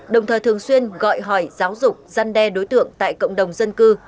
đồng thời thường xuyên gọi hỏi giáo dục giăn đe đối tượng tại cộng đồng dân cư